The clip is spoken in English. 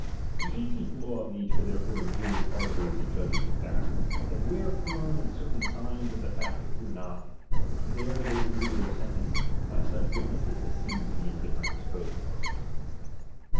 The eighteenth law of nature therefore enjoins arbiters and judges of fact, that where firm and certain signs of the fact appear not, there they rale their sentence btj such witnesses as seem to be indifferent to bothparts.